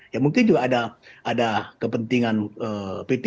ya mungkin juga ada kepentingan p tiga